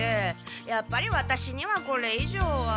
やっぱりワタシにはこれ以上は。